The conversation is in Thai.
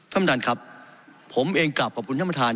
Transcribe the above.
ท่านบันดาลครับผมเองกลับกับบุญท่านบันธาน